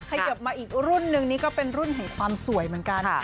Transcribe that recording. เขยิบมาอีกรุ่นนึงนี่ก็เป็นรุ่นของความสวยเหมือนกัน